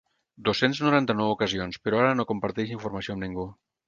Dos-cents noranta-nou ocasions, però ara no comparteix informació amb ningú.